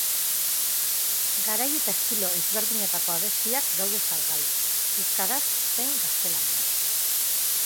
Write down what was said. Garai eta estilo ezberdinetako abestiak daude salgai, euskaraz zein gaztelaniaz.